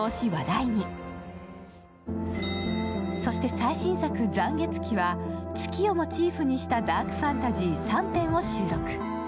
最新作「残月記」は月をモチーフにしたダークファンタジー３編を収録。